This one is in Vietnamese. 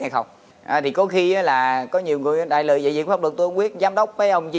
hay không thì có khi là có nhiều người đại lợi giải dựng pháp luật tôn quyết giám đốc với ông chi